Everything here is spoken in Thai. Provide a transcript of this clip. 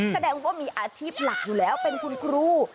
แสดงว่ามีอาชีพหลักอยู่แล้วเป็นคุณครู